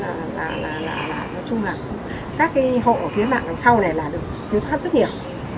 nói chung là các cái hộ ở phía mạng đằng sau này là được thiếu thoát rất nhiều